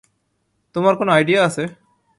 তোমার কোনো আইডিয়া আছে?